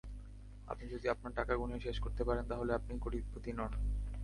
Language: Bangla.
আপনি যদি আপনার টাকা গুনে শেষ করতে পারেন, তাহলে আপনি কোটিপতি নন।